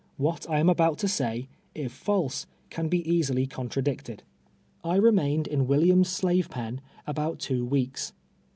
What I am about to say, if false, can he easily con tradicted. I remained in AVilliams' slave pen about two weeks.